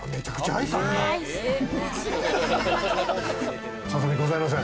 ささみ、ございません。